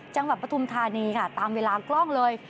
จังหวัดประทุมธานีค่ะตามเวลากล้องเลย